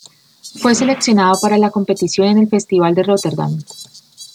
Fue seleccionado para la competición en el Festival de Rotterdam.